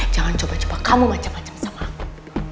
jangan coba coba kamu macam macam sama aku